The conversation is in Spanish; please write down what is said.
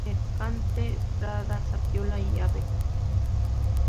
Mercante, Estrada, Zapiola, y Av.